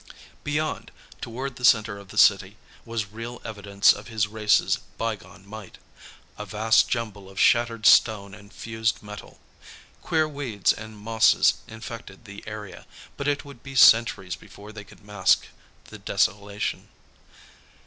Beyond, toward the center of the city, was real evidence of his race's bygone might a vast jumble of shattered stone and fused metal. Queer weeds and mosses infected the area, but it would be centuries before they could mask the desolation.